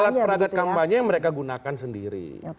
alat peragat kampanye yang mereka gunakan sendiri